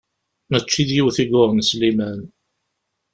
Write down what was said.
Mačči d yiwet i yuɣen Sliman.